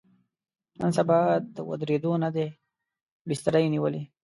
نن سبا د ودرېدو نه دی، بستره یې نیولې.